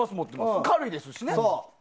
軽いですし。